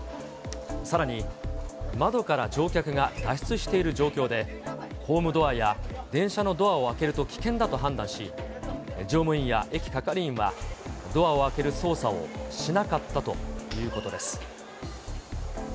さらに、窓から乗客が脱出している状況で、ホームドアや電車のドアを開けると危険だと判断し、乗務員や駅係員は、ドアを開ける操作をしなかったということです。